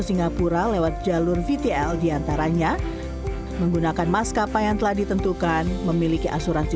singapura lewat jalur vtl diantaranya menggunakan maskapai yang telah ditentukan memiliki asuransi